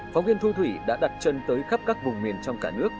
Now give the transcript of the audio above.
phóng viên thu thủy đã đặt chân tới khắp các vùng miền trong cả nước